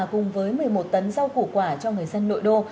cùng với một mươi một tấn rau củ quả cho người dân nội đô